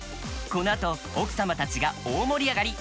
このあと奥様たちが大盛り上がり！